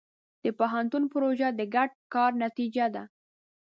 د پوهنتون پروژه د ګډ کار نتیجه ده.